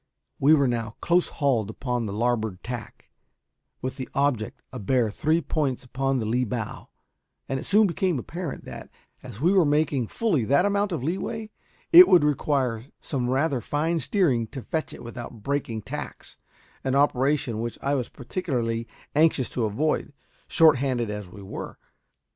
We were now close hauled upon the larboard tack, with the object a bare three points upon the lee bow, and it soon became apparent that, as we were making fully that amount of leeway, it would require some rather fine steering to fetch it without breaking tacks an operation which I was particularly anxious to avoid, short handed as we were.